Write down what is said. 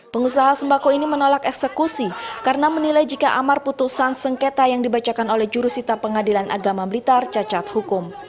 pengusaha sembako ini menolak eksekusi karena menilai jika amar putusan sengketa yang dibacakan oleh jurusita pengadilan agama blitar cacat hukum